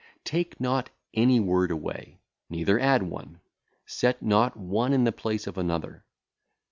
Take not any word away, neither add one; set not one in the place of another.